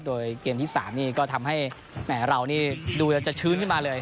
โดยเกมที่๓นี่ก็ทำให้แหมเรานี่ดูจะชื้นขึ้นมาเลย